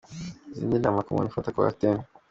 Izindi nama ku muntu ufata coartem .